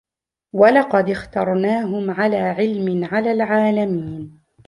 وَلَقَدِ اخْتَرْنَاهُمْ عَلَى عِلْمٍ عَلَى الْعَالَمِينَ